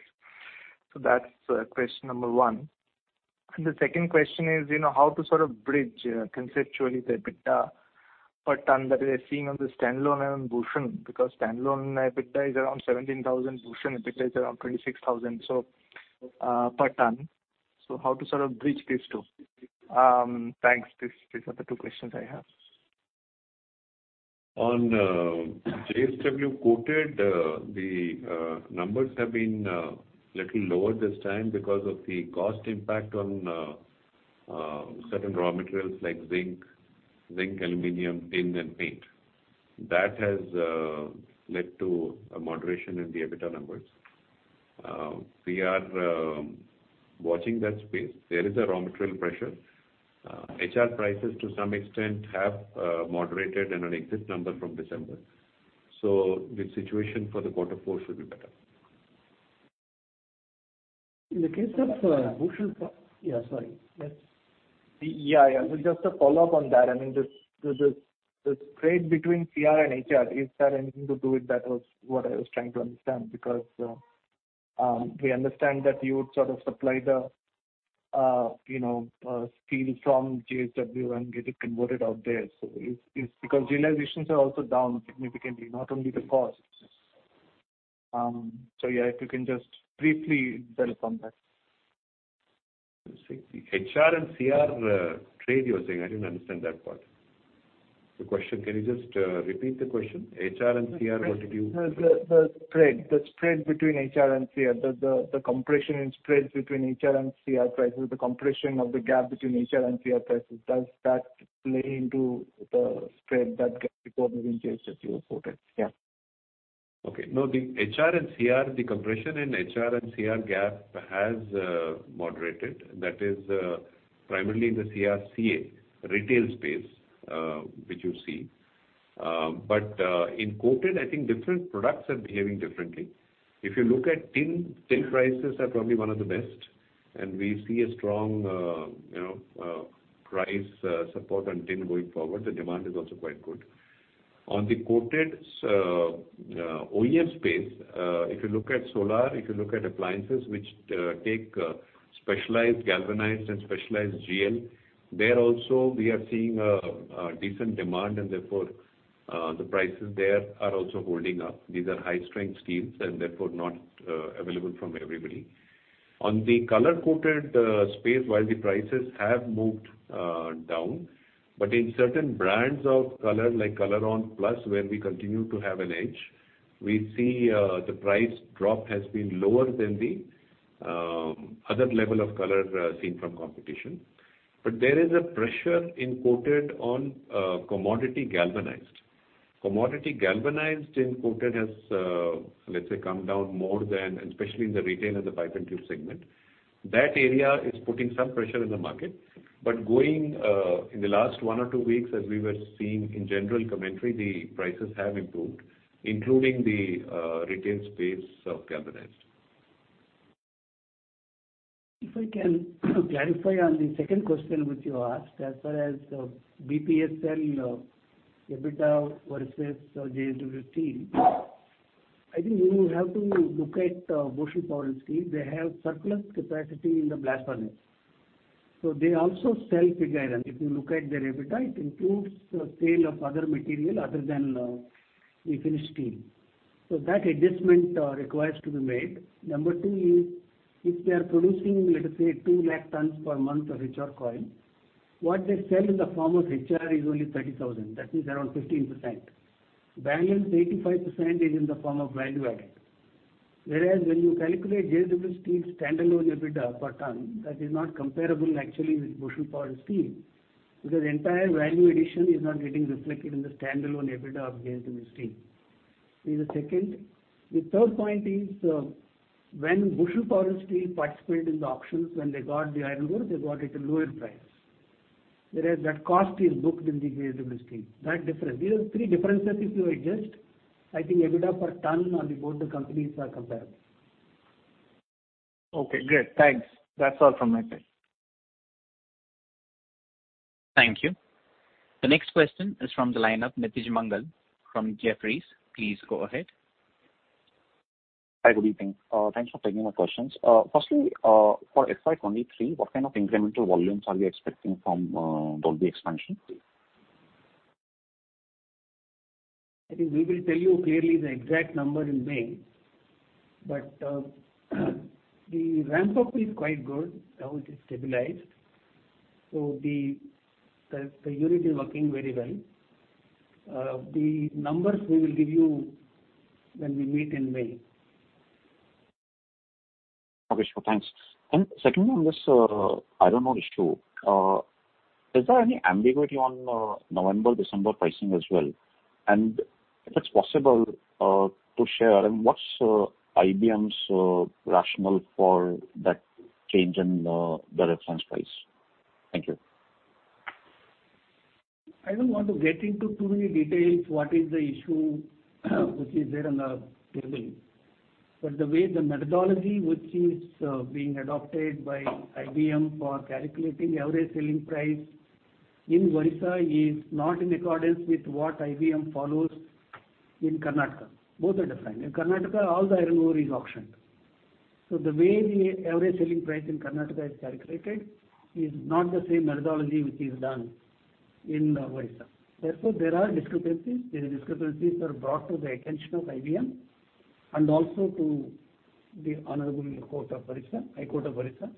That's question number one. The second question is, you know, how to sort of bridge conceptually the EBITDA per ton that we are seeing on the standalone and Bhushan, because standalone EBITDA is around 17,000 per ton. Bhushan EBITDA is around 26,000 per ton. How to sort of bridge these two? Thanks. These are the two questions I have. On JSW Coated, the numbers have been little lower this time because of the cost impact on certain raw materials like zinc, aluminum, tin and paint. That has led to a moderation in the EBITDA numbers. We are watching that space. There is a raw material pressure. HR prices to some extent have moderated in an exit number from December. The situation for the quarter four should be better. In the case of Bhushan. Yeah, sorry. Yes. Yeah. Just a follow-up on that. I mean, the spread between CR and HR, is there anything to do with that, was what I was trying to understand. Because we understand that you would sort of supply the, you know, steel from JSW and get it converted out there. Because realizations are also down significantly, not only the costs. Yeah, if you can just briefly tell us on that. Let's see. The HR and CR trade, you were saying. I didn't understand that part. The question, can you just repeat the question? HR and CR, what did you- The spread between HR and CR. The compression in spreads between HR and CR prices, the compression of the gap between HR and CR prices, does that play into the spread, that gap between JSW Coated? Yeah. Okay. No, the HR and CR, the compression in HR and CR gap has moderated. That is primarily in the CRCA retail space, which you see. In coated, I think different products are behaving differently. If you look at tin prices are probably one of the best, and we see a strong you know price support on tin going forward. The demand is also quite good. On the coated OEM space, if you look at solar, if you look at appliances which take specialized galvanized and specialized GL, there also we are seeing a decent demand and therefore the prices there are also holding up. These are high-strength steels and therefore not available from everybody. On the color coated space, while the prices have moved down, but in certain brands of color, like Colouron Plus, where we continue to have an edge, we see the price drop has been lower than the other level of color seen from competition. There is a pressure in coated on commodity galvanized. Commodity galvanized in coated has, let's say, come down more than, especially in the retail and the pipe and tube segment. That area is putting some pressure in the market. Going in the last one or two weeks, as we were seeing in general commentary, the prices have improved, including the retail space of galvanized. If I can clarify on the second question which you asked, as far as BPSL EBITDA versus JSW Steel, I think you have to look at Bhushan Power and Steel. They have surplus capacity in the blast furnace, so they also sell pig iron. If you look at their EBITDA, it includes the sale of other material other than the finished steel. So that adjustment requires to be made. Number two is, if they are producing, let us say, 200,000 tons per month of HR coil, what they sell in the form of HR is only 30,000. That means around 15%. Balance 85% is in the form of value added. Whereas when you calculate JSW Steel's standalone EBITDA per ton, that is not comparable actually with Bhushan Power and Steel, because entire value addition is not getting reflected in the standalone EBITDA of JSW Steel. This is the second. The third point is, when Bhushan Power and Steel participated in the auctions, when they got the iron ore, they got it at a lower price. Whereas that cost is booked in the JSW Steel. That difference. These are three differences if you adjust. I think EBITDA per ton on the both the companies are comparable. Okay, great. Thanks. That's all from my side. Thank you. The next question is from the line of Nitij Mangal from Jefferies. Please go ahead. Hi, good evening. Thanks for taking my questions. Firstly, for FY 2023, what kind of incremental volumes are we expecting from Dolvi expansion, please? I think we will tell you clearly the exact number in May, but the ramp-up is quite good. Now it is stabilized. The unit is working very well. The numbers we will give you when we meet in May. Okay, sure. Thanks. Secondly, on this iron ore issue, is there any ambiguity on November-December pricing as well? If it's possible to share, I mean, what's IBM's rationale for that change in the reference price? Thank you. I don't want to get into too many details, what is the issue which is there on the table. The way the methodology which is being adopted by IBM for calculating the average selling price in Orissa is not in accordance with what IBM follows in Karnataka. Both are different. In Karnataka, all the iron ore is auctioned. The way the average selling price in Karnataka is calculated is not the same methodology which is done in Orissa. Therefore, there are discrepancies. These discrepancies are brought to the attention of IBM and also to the Honorable Court of Orissa, High Court of Orissa.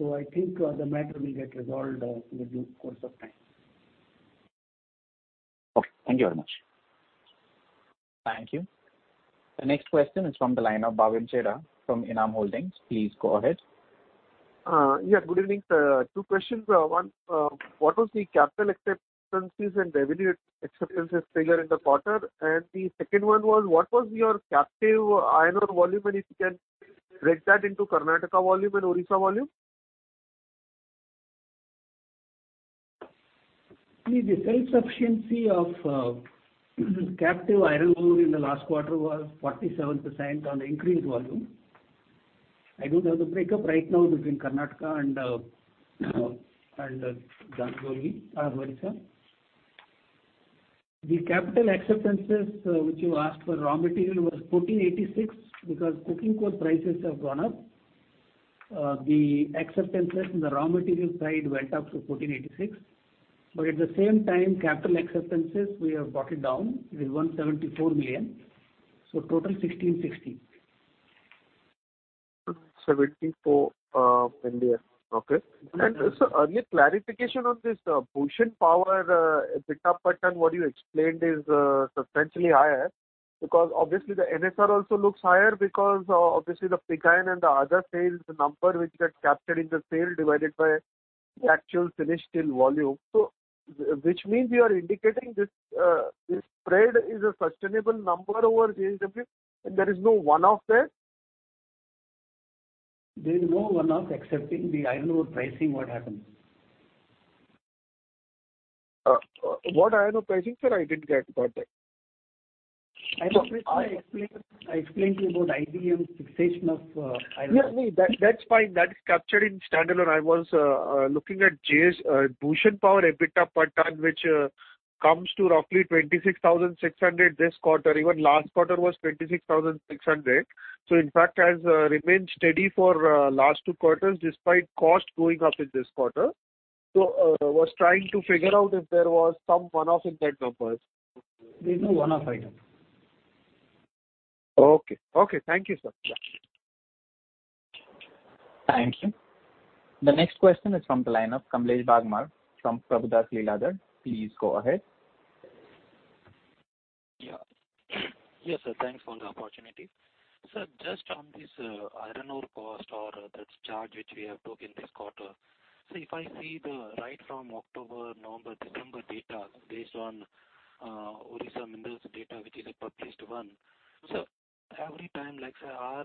I think, the matter will get resolved, in the due course of time. Okay, thank you very much. Thank you. The next question is from the line of Bhavin Chheda from ENAM Holdings. Please go ahead. Yeah, good evening, sir. Two questions. One, what was the CapEx and revenue CapEx figure in the quarter? The second one was, what was your captive iron ore volume? If you can break that into Karnataka volume and Orissa volume. See, the self-sufficiency of captive iron ore in the last quarter was 47% on the increased volume. I don't have the breakup right now between Karnataka and Dangoli or Orissa. The CapEx which you asked for, raw material, was 1,486, because coking coal prices have gone up. The CapEx in the raw material side went up to 1,486. But at the same time, CapEx, we have brought it down. It is 174 million. Total 1,660. 74 million. Okay. Mm-hmm. Sir, a clarification on this Bhushan Power EBITDA per ton, what you explained is substantially higher. Because obviously the NSR also looks higher because obviously the pig iron and the other sales number which got captured in the sales divided by the actual finished steel volume. Which means you are indicating this spread is a sustainable number over JSW, and there is no one-off there? There is no one-off excepting the iron ore pricing what happened. What iron ore pricing, sir? I didn't get that. I know I explained to you about IBM's fixation of iron ore. Yes. No. That's fine. That is captured in standalone. I was looking at JSW Bhushan Power EBITDA per ton, which comes to roughly 26,600 this quarter. Even last quarter was 26,600. In fact, has remained steady for last two quarters despite cost going up in this quarter. Was trying to figure out if there was some one-off in that numbers. There's no one-off item. Okay. Thank you, sir. Thank you. The next question is from the line of Kamlesh Bagmar from Prabhudas Lilladher. Please go ahead. Yes, sir. Thanks for the opportunity. Sir, just on this, iron ore cost or this charge which we have took in this quarter. If I see the data right from October, November, December based on Odisha Minerals data, which is a published one. Every time like, say, our,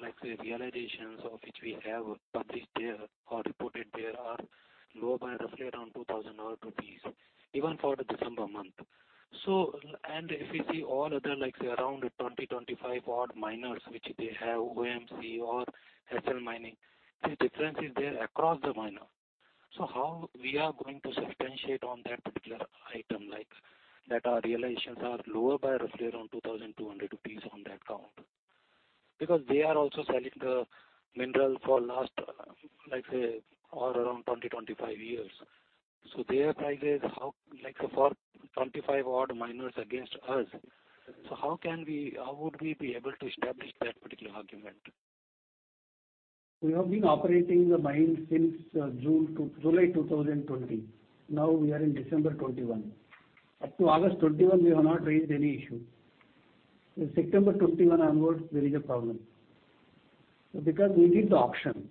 like, say, realizations of which we have published there or reported there are lower by roughly around 2,000 rupees, even for the December month. If you see all other like, say, around 20-25 odd miners which they have OMC or Essel Mining, this difference is there across the miner. How we are going to substantiate on that particular item like that our realizations are lower by roughly around 2,200 rupees on that count? Because they are also selling the mineral for the last, like, say, or around 20-25 years. Their prices, like, say for 25-odd miners against us. How would we be able to establish that particular argument? We have been operating the mine since June to July 2020. Now we are in December 2021. Up to August 2021, we have not raised any issue. In September 2021 onwards, there is a problem. Because we need the auction.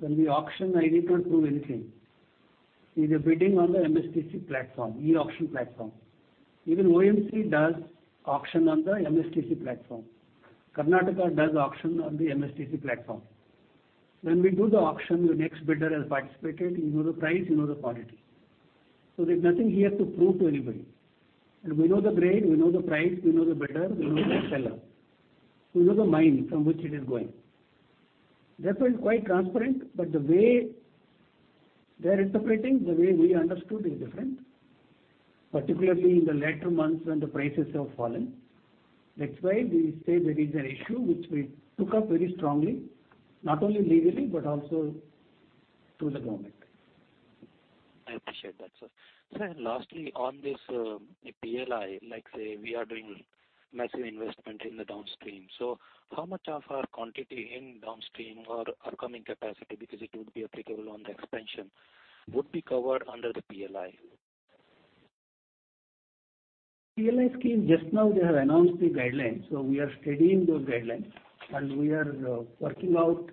When we auction, I need not prove anything. It is a bidding on the MSTC platform, e-auction platform. Even OMC does auction on the MSTC platform. Karnataka does auction on the MSTC platform. When we do the auction, the next bidder has participated. You know the price, you know the quality. There's nothing here to prove to anybody. We know the grade, we know the price, we know the bidder, we know the seller. We know the mine from which it is going. Therefore, it's quite transparent. The way they're interpreting, the way we understood is different, particularly in the later months when the prices have fallen. That's why we say there is an issue which we took up very strongly, not only legally, but also to the government. I appreciate that, sir. Sir, lastly, on this, PLI, like say we are doing massive investment in the downstream. How much of our quantity in downstream or upcoming capacity, because it would be applicable on the expansion, would be covered under the PLI? PLI scheme, just now they have announced the guidelines. We are studying those guidelines and we are working out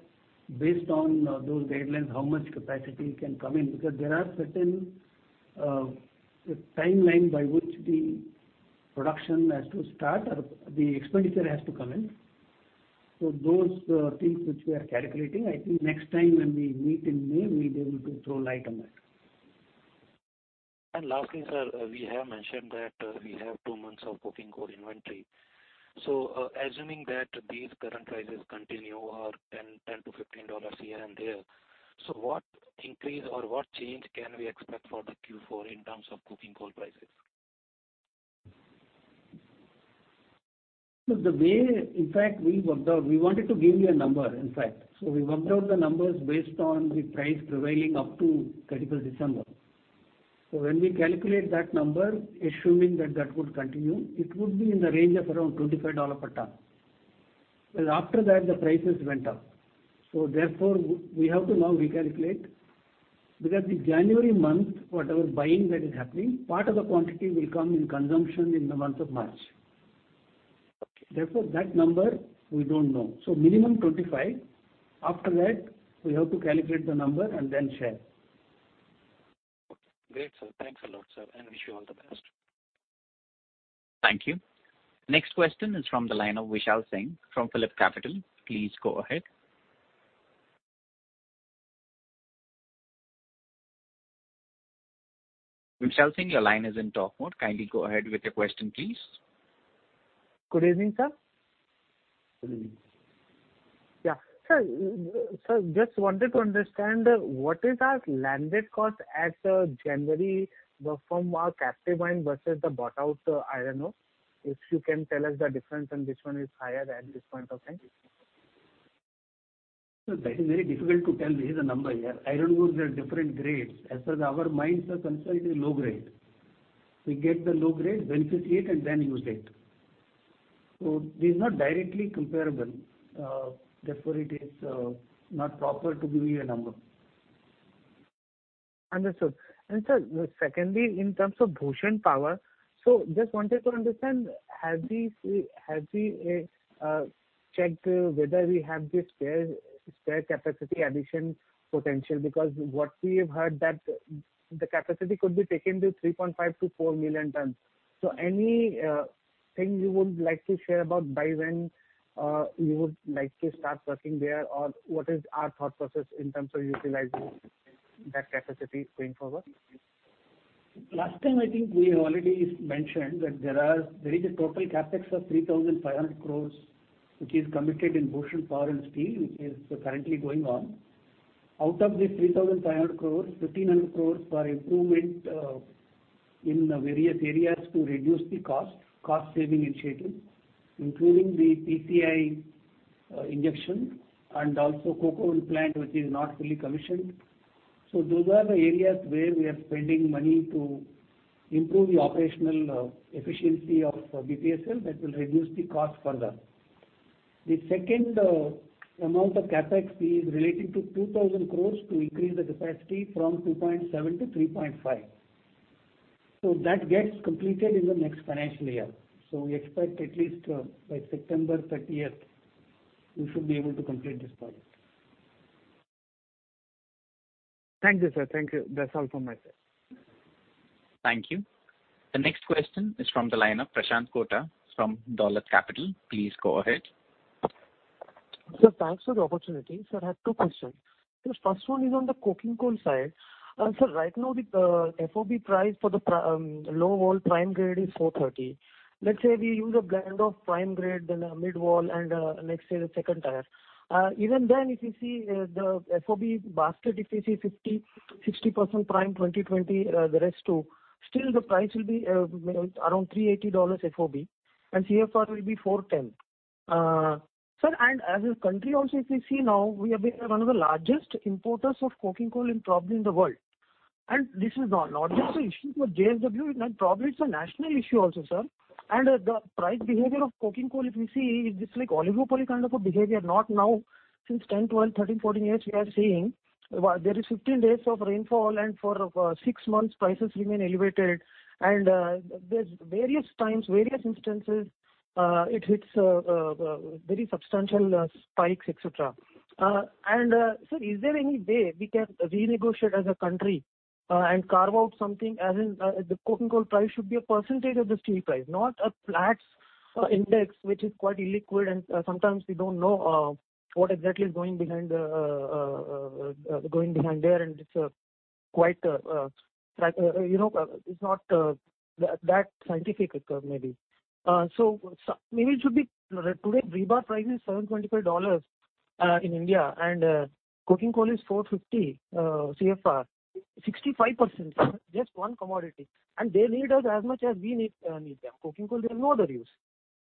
based on those guidelines, how much capacity can come in. Because there are certain timeline by which the production has to start or the expenditure has to come in. Those things which we are calculating, I think next time when we meet in May, we'll be able to throw light on that. Lastly, sir, we have mentioned that we have two months of coking coal inventory. Assuming that these current prices continue or $10-$15 here and there, what increase or what change can we expect for the Q4 in terms of coking coal prices? The way, in fact, we worked out, we wanted to give you a number in fact. We worked out the numbers based on the price prevailing up to 31st December. When we calculate that number, assuming that that would continue, it would be in the range of around $25 per ton. Well, after that the prices went up. Therefore we have to now recalculate. Because the January month, whatever buying that is happening, part of the quantity will come in consumption in the month of March. Okay. Therefore, that number we don't know. Minimum 25. After that we have to calculate the number and then share. Okay. Great, sir. Thanks a lot, sir, and wish you all the best. Thank you. Next question is from the line of Vishal Singh from PhillipCapital. Please go ahead. Vishal Singh, your line is in talk mode. Kindly go ahead with your question, please. Good evening, sir. Yeah. Sir, just wanted to understand what is our landed cost at January from our captive mine versus the bought out iron ore. If you can tell us the difference and which one is higher at this point of time. Sir, that is very difficult to tell you the number here. Iron ore, there are different grades. As far as our mines are concerned, it is low grade. We get the low grade, beneficiate it and then use it. This is not directly comparable. Therefore it is not proper to give you a number. Understood. Sir, secondly, in terms of Bhushan Power and Steel, just wanted to understand, have we checked whether we have the spare capacity addition potential? Because what we have heard that the capacity could be taken to 3.5-4 million tons. Anything you would like to share about by when you would like to start working there? Or what is our thought process in terms of utilizing that capacity going forward? Last time, I think we have already mentioned that there is a total CapEx of 3,500 crore which is committed in Bhushan Power & Steel, which is currently going on. Out of this 3,500 crore, 1,500 crore are improvement in various areas to reduce the cost saving initiatives, including the PCI injection and also coke oven plant, which is not fully commissioned. Those are the areas where we are spending money to improve the operational efficiency of BPSL that will reduce the cost further. The second amount of CapEx is relating to 2,000 crore to increase the capacity from 2.7 to 3.5. That gets completed in the next financial year. We expect at least by September 30th, we should be able to complete this project. Thank you, sir. Thank you. That's all from my side. Thank you. The next question is from the line of Prashanth Kota from Dolat Capital. Please go ahead. Sir, thanks for the opportunity. Sir, I have two questions. The first one is on the coking coal side. Sir, right now the FOB price for the low vol prime grade is $430. Let's say we use a blend of prime grade, then a mid vol and, let's say the second tier. Even then, if you see, the FOB basket, if you see 50%-60% prime, 20/20, the rest too, still the price will be around $380 FOB, and CFR will be $410. Sir, and as a country also, if we see now, we have been one of the largest importers of coking coal in, probably, in the world. This is not just an issue for JSW, and probably it's a national issue also, sir. The price behavior of coking coal, if we see, it's like oligopoly kind of a behavior. Not now, since 10, 12, 13, 14 years we are seeing. There is 15 days of rainfall and for six months prices remain elevated. There's various times, various instances, it hits very substantial spikes, etc. Sir, is there any way we can renegotiate as a country and carve out something as in the coking coal price should be a percentage of the steel price, not a Platts index, which is quite illiquid. Sometimes we don't know what exactly is going on behind there. It's quite, you know, it's not that scientific, maybe. So maybe it should be. Today rebar price is $725 in India, and coking coal is $450 CFR. 65%, sir, just one commodity. They need us as much as we need them. Coking coal, there are no other use.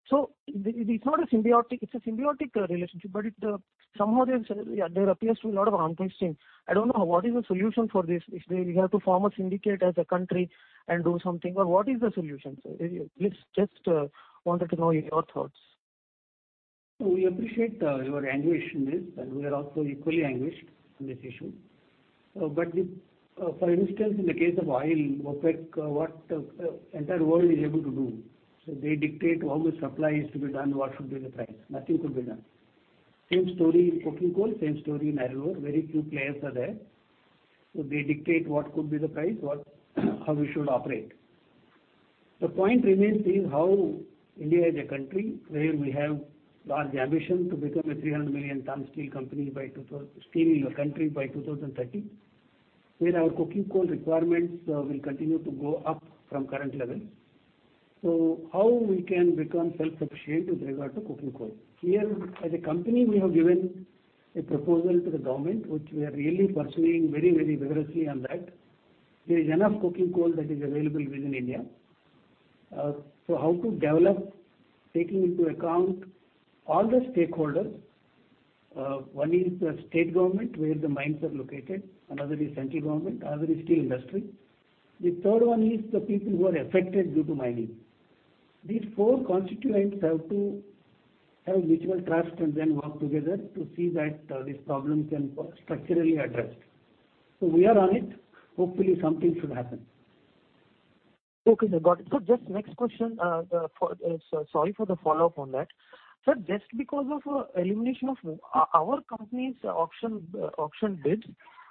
It's a symbiotic relationship, but somehow there appears to be a lot of arm twisting. I don't know what is the solution for this. If we have to form a syndicate as a country and do something, or what is the solution, sir? Just wanted to know your thoughts. We appreciate your anguish in this, and we are also equally anguished on this issue. But if, for instance, in the case of oil, OPEC, what the entire world is able to do? They dictate how the supply is to be done, what should be the price. Nothing could be done. Same story in coking coal, same story in iron ore. Very few players are there. They dictate what could be the price, how we should operate. The point remains, how India is a country where we have large ambition to become a 300 million ton steel in the country by 2030, where our coking coal requirements will continue to go up from current levels. How we can become self-sufficient with regard to coking coal? Here, as a company, we have given a proposal to the government, which we are really pursuing very, very vigorously on that. There is enough coking coal that is available within India. How to develop, taking into account all the stakeholders. One is the state government, where the mines are located, another is central government, another is steel industry. The third one is the people who are affected due to mining. These four constituents have to have mutual trust and then work together to see that this problem can be structurally addressed. We are on it. Hopefully, something should happen. Okay, sir. Got it. Just next question. Sorry for the follow-up on that. Sir, just because of elimination of our company's auction bids,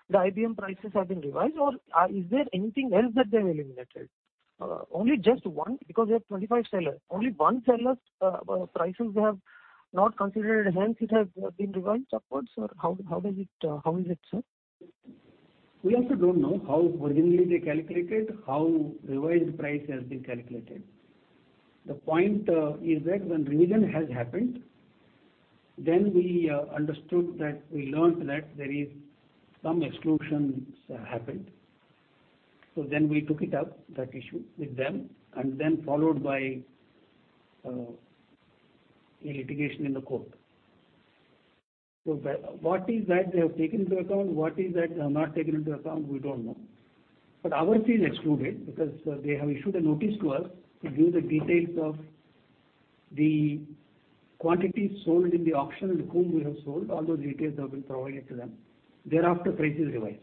the IBM prices have been revised, or is there anything else that they've eliminated? Only just one, because we have 25 sellers. Only one seller's prices they have not considered, hence it has been revised upwards? Or how does it, how is it, sir? We also don't know how originally they calculated, how revised price has been calculated. The point is that when revision has happened, then we understood that we learnt that there is some exclusions happened. We took it up, that issue, with them, and then followed by a litigation in the court. What is that they have taken into account? What is that they have not taken into account? We don't know. Ours is excluded because they have issued a notice to us to give the details of the quantities sold in the auction and whom we have sold. All those details have been provided to them. Thereafter, price is revised.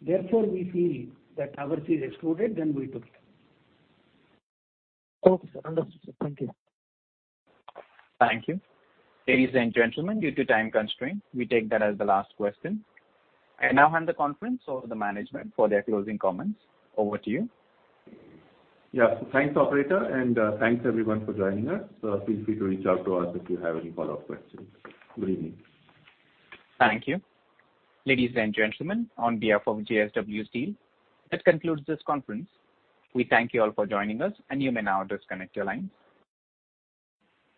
Therefore, we feel that ours is excluded, then we took it. Okay, sir. Understood. Thank you. Thank you. Ladies and gentlemen, due to time constraint, we take that as the last question. I now hand the conference over to management for their closing comments. Over to you. Yeah. Thanks, operator, and thanks everyone for joining us. Feel free to reach out to us if you have any follow-up questions. Good evening. Thank you. Ladies and gentlemen, on behalf of JSW Steel, that concludes this conference. We thank you all for joining us, and you may now disconnect your lines.